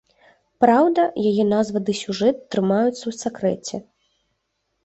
Праўда, яе назва ды сюжэт трымаюцца ў сакрэце.